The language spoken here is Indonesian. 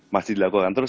masih dilakukan terus